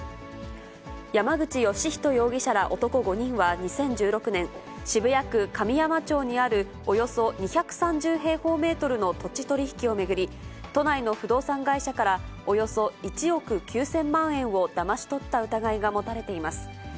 山口芳仁容疑者ら男５人は２０１６年、渋谷区神山町にあるおよそ２３０平方メートルの土地取り引きを巡り、都内の不動産会社からおよそ１億９０００万円をだまし取った疑いが持たれています。